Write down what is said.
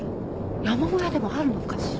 山小屋でもあるのかしら。